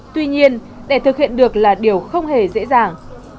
tuy nhiên để thực hiện được là điều không hề dễ dàng